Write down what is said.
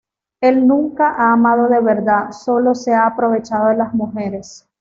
Él nunca ha amado de verdad, sólo se ha aprovechado de las mujeres.